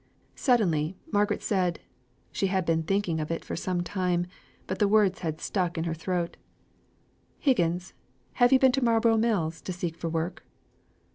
Suddenly, Margaret said (she had been thinking of it for some time, but the words had stuck in her throat), "Higgins have you been to Marlborough Mills to seek for work?"